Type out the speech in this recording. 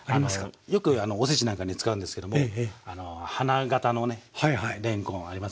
よくお節なんかに使うんですけども花形のねれんこんありますね。